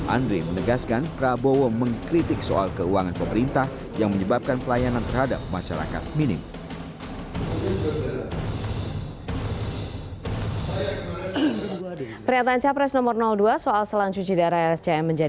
andre menegaskan prabowo mengkritik soal keuangan pemerintah yang menyebabkan pelayanan terhadapnya